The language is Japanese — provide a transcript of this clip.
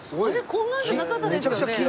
こんなんじゃなかったですよね？